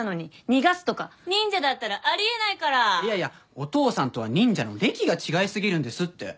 いやいやお父さんとは忍者の歴が違い過ぎるんですって。